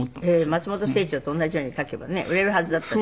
松本清張と同じように書けばね売れるはずだった。